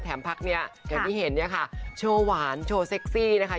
แถมภาคนี้กันที่เห็นเนี่ยค่ะโชว์หวานโชว์เซ็กซี่นะคะ